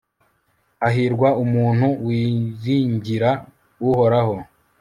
hahirwa umuntu wiringira uhoraho